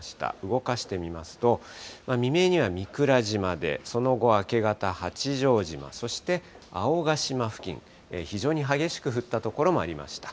動かしてみますと、未明には御蔵島で、その後、明け方、八丈島、そして青ヶ島付近、非常に激しく降った所もありました。